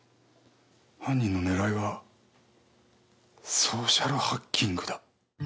犯人の狙いはソーシャルハッキングだ。